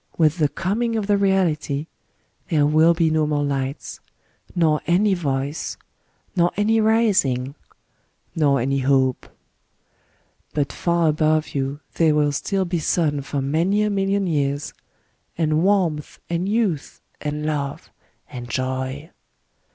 With the coming of the Reality, there will be no more lights, nor any voice, nor any rising, nor any hope. " But far above you there will still be sun for many a million years, — and warmth and youth and love and joy.